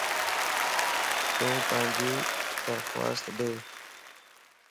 تون پانجي درخواست ڏي